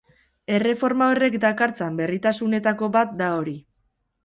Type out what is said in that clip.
Erreforma horrek dakartzan berritasunetako bat da hori.